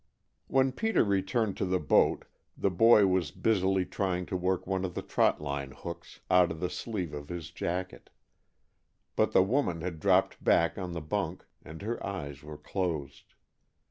When Peter returned to the boat, the boy was busily trying to work one of the trot line hooks out of the sleeve of his jacket, but the woman had dropped back on the bunk and her eyes were closed.